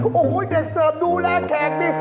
โอ้โหเด็กเสิร์ฟดูแลแขกนี่